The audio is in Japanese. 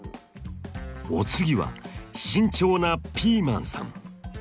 お次は慎重なピーマンさん。